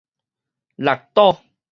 六堵